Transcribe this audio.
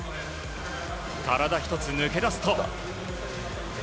体１つ抜け出すと。